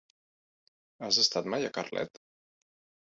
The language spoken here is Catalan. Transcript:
Has estat mai a Carlet?